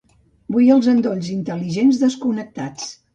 Vull els endolls intel·ligents desconnectats.